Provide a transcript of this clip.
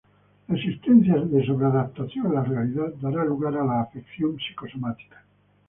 La existencia de sobre-adaptación a la realidad, dará lugar a la afección psicosomática.